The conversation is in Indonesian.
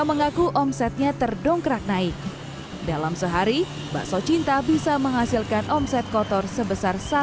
mengaku omsetnya terdongkrak naik dalam sehari bakso cinta bisa menghasilkan omset kotor sebesar